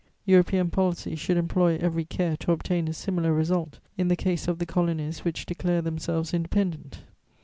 European policy should employ every care to obtain a similar result in the case of the colonies which declare themselves independent.